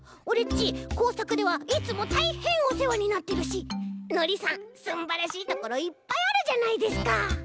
ちこうさくではいつもたいへんおせわになってるしのりさんすんばらしいところいっぱいあるじゃないですか。